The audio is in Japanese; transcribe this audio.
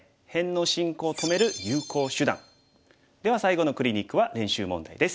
では最後のクリニックは練習問題です。